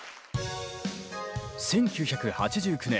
１９８９年